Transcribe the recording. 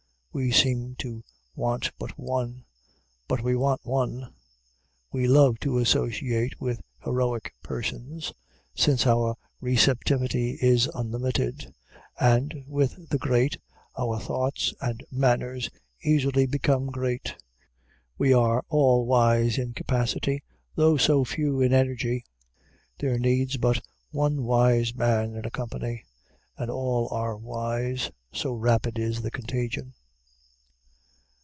We seem to want but one, but we want one. We love to associate with heroic persons, since our receptivity is unlimited; and, with the great, our thoughts and manners easily become great. We are all wise in capacity, though so few in energy. There needs but one wise man in a company, and all are wise, so rapid is the contagion.